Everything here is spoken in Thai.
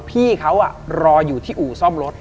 พี่เขารออยู่ที่อู่ซ่อมรถ